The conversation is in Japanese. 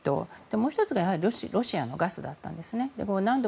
もう１つがロシアのガスだったんですね。